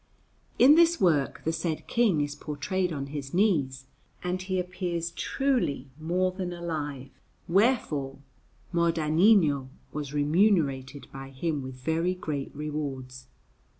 In this work the said King is portrayed on his knees, and he appears truly more than alive; wherefore Modanino was remunerated by him with very great rewards.